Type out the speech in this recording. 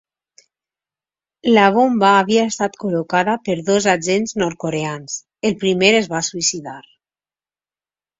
La bomba havia estat col·locada per dos agents nord-coreans; el primer es va suïcidar.